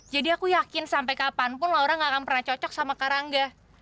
jadi aku yakin sampe kapanpun laura gak akan pernah cocok sama karangga